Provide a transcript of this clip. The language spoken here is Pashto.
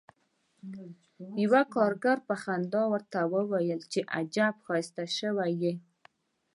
یوه کارګر په خندا ورته وویل چې عجب ښایسته شوی یې